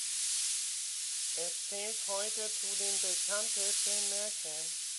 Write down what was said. Es zählt heute zu den bekanntesten Märchen.